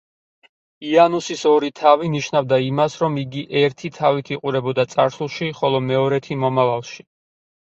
იანუსის ორი თავი ნიშნავდა იმას, რომ იგი ერთი თავით იყურებოდა წარსულში, ხოლო მეორეთი მომავალში.